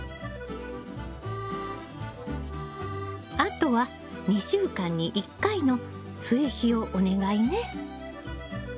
あとは２週間に１回の追肥をお願いね。